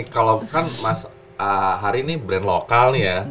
kalau kan mas hari ini brand lokal nih ya